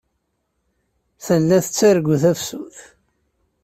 Tella tettargu tafsut.